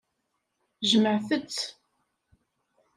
Jemɛet-tt.